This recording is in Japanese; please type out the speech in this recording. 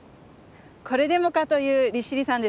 これでもかという利尻山ですね。